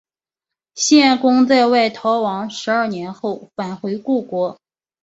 献公在外逃亡十二年后返回故国。